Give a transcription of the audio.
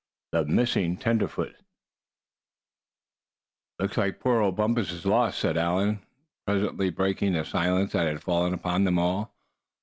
THE MISSING TENDERFOOT. "It looks like poor old Bumpus is lost," said Allan, presently, breaking the silence that had fallen upon them all.